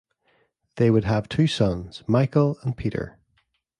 They would have two sons, Michael and Peter.